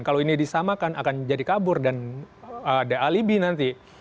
kalau ini disamakan akan jadi kabur dan ada alibi nanti